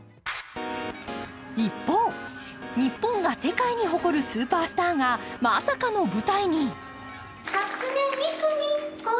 一方、日本が世界に誇るスーパースターがまさかの舞台に。